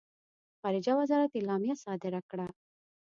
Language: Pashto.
خارجه وزارت اعلامیه صادره کړه.